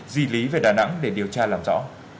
di lý về đà nẵng để điều tra làm rõ